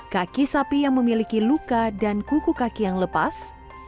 kaki sapi yang memiliki luka dan kuku kaki yang lepas